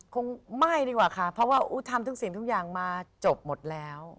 คงไม่ดีกว่าค่ะเพราะว่าทำทุกสิ่งทุกอย่างมาจบหมดแล้ว